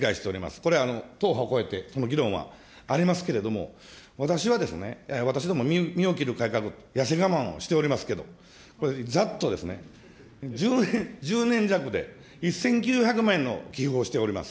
これは党派を超えて、この議論はありますけれども、私はですね、私ども、身を切る改革、やせ我慢をしておりますけれども、これ、ざっとですね、１０年弱で、１９００万円の寄付をしております。